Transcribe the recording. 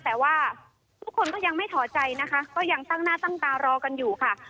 แต่ว่าทุกคนก็ยังไม่ถอดใจนะคะก็ยังตั้งหน้าตั้งตารอกันอยู่ค่ะ